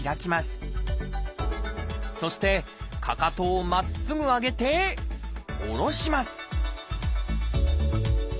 そしてかかとをまっすぐ上げて下ろします